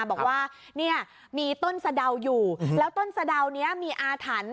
บอกว่าเนี่ยมีต้นสะดาวอยู่แล้วต้นสะดาวนี้มีอาถรรพ์